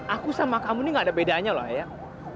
aku sama kamu ini gak ada bedanya loh ya